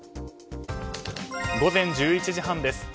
午前１１時半です。